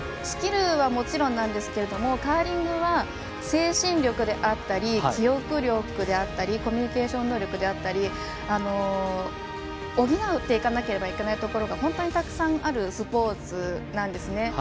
スキルはもちろんですがカーリングは、精神力であったり記憶力であったりコミュニケーション能力だったり補っていかなくてはいけないところが本当にたくさんあるスポーツなんですね。